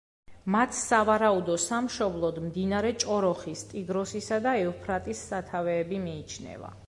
მათ სავარაუდო სამშობლოდ მდინარე ჭოროხის, ტიგროსისა და ევფრატის სათავეები მიიჩნევა.